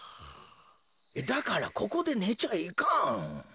だからここでねちゃいかん。